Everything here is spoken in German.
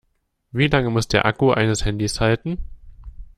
Wie lange muss der Akku eines Handys halten?